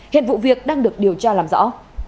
hiện vụ việc đang được điều tra làm rõ